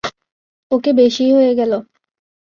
ওকে, বেশিই হয়ে গেল।